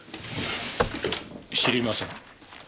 知りません。